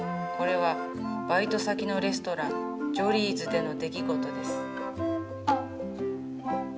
これはバイト先のレストランジョリーズでの出来事です。